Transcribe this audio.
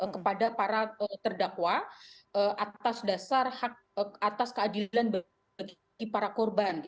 kepada para terdakwa atas dasar hak atas keadilan bagi para korban